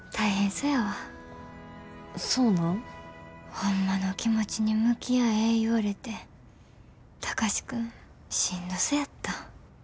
ホンマの気持ちに向き合え言われて貴司君しんどそやった。